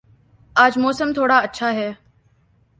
آج موسم تھوڑا اچھا ہے